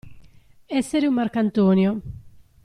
Essere un marcantonio.